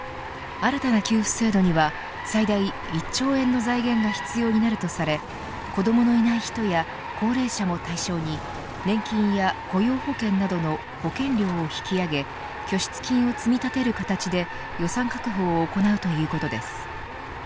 新たな給付制度には最大１兆円の財源が必要になるとされ子どものいない人や高齢者も対象に年金や雇用保険などの保険料を引き上げ拠出金を積み立てる形で予算確保を行うということです。